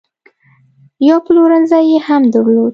یو پلورنځی یې هم درلود.